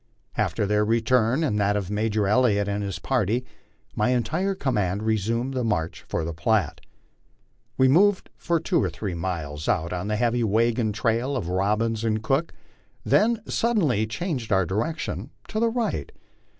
After their return and that of Major Elliott and his party, my entire command resumed the march for the Platte. We moved for two or three miles out on the heavy wagon trail of Robbins and Cook, then suddenly changed our direction to the right.